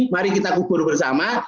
mari kita gugur bersama